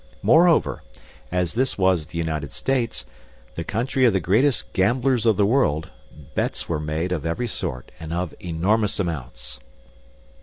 Moreover, as this was the United States, the country of the greatest gamblers of the world, bets were made of every sort and of enormous amounts.